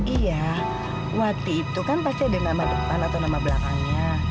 iya waktu itu kan pasti ada nama depan atau nama belakangnya